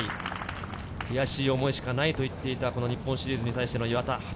悔しい思いしかないと言っていた日本シリーズに対しての岩田。